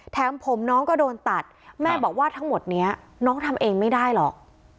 แถมผมน้องก็โดนตัดแม่บอกว่าทั้งหมดนี้น้องทำเองไม่ได้หรอก